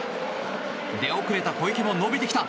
出遅れた小池も伸びてきた。